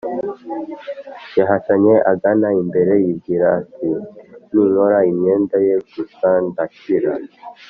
yahatanye agana imbere yibwira ati: “ninkora imyenda ye gusa ndakira”